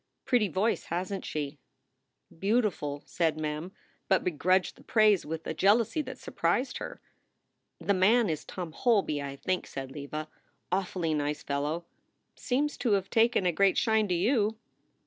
Pretty voice, hasn t she?" "Beautiful!" said Mem, but begrudged the praise with a jealousy that surprised her. "The man is Tom Holby, I think," said Leva. "Awfully nice fellow. Seems to have taken a great shine to you."